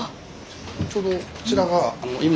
ちょうどこちらが今。